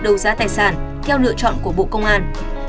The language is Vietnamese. đấu giá tài sản theo lựa chọn của bộ công an